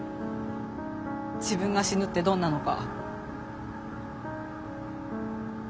自分が死ぬってどんなのか。